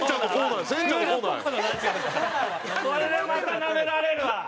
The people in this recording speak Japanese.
これでまたナメられるわ。